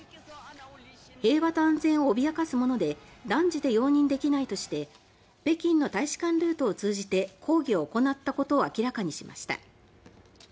平和と安全を脅かすもので断じて容認できないとして北京の大使館ルートを通じて抗議を行ったことを明らかにしました。